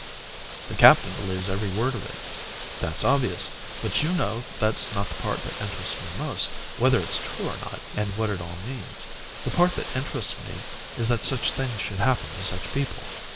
"The captain believes every word of it." "That's obvious; but you know that's not the part that interests me most, whether it's true or not, and what it all means; the part that interests me is that such things should happen to such people.